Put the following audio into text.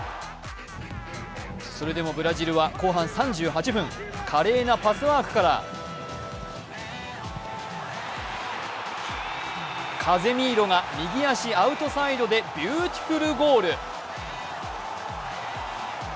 それでもブラジルは後半３８分、華麗なパスワークからカゼミーロが右足アウトサイドでビューティフルゴール。